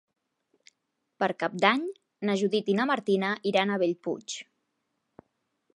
Per Cap d'Any na Judit i na Martina iran a Bellpuig.